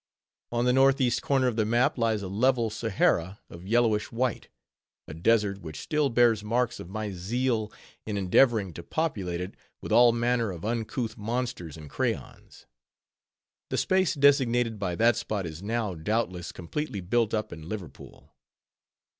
On the northeast corner of the map, lies a level Sahara of yellowish white: a desert, which still bears marks of my zeal in endeavoring to populate it with all manner of uncouth monsters in crayons. The space designated by that spot is now, doubtless, completely built up in Liverpool.